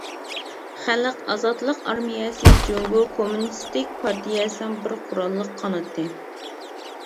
خەلق ئازادلىق ئارمىيەسى جۇڭگو كوممۇنىستىك پارتىيەسىنىڭ بىر قوراللىق قانىتى.